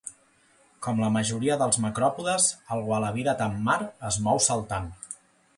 Com la majoria dels macròpodes, el ualabi de Tammar es mou saltant.